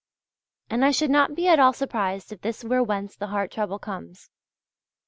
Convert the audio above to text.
And I should not be at all surprised if this were whence the heart trouble comes.